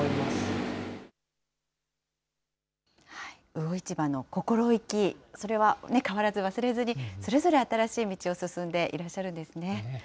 魚市場の心意気、それは変わらず忘れずに、それぞれ新しい道を進んでいらっしゃるんですね。